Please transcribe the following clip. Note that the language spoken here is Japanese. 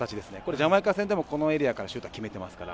ジャマイカ戦でもこのエリアからのシュートは決めてますから。